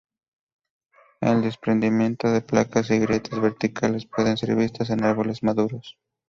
El desprendimiento de placas y grietas verticales pueden ser vistas en árboles maduros.